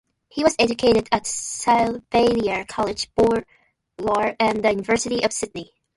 He was educated at Chevalier College, Bowral and the University of Sydney.